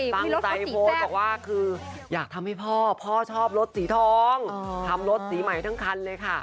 ตั้งใจโพสต์บอกว่าคืออยากทำให้พ่อพ่อชอบรถสีทองทำรถสีใหม่ทั้งคันเลยค่ะ